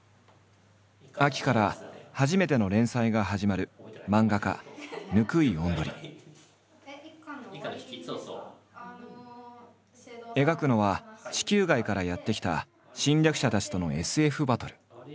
秋から初めての連載が始まる描くのは地球外からやって来た侵略者たちとのＳＦバトル。